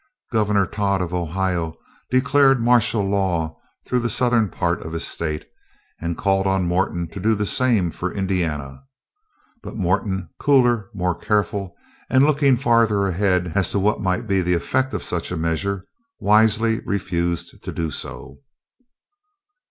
Governor Tod, of Ohio, declared martial law through the southern part of his state, and called on Morton to do the same for Indiana. But Morton, cooler, more careful, and looking farther ahead as to what might be the effect of such a measure, wisely refused to do so.